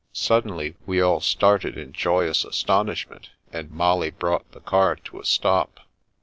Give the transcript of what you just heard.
Suddenly we all started in joyous astonishment, and Molly brought the car to a stop.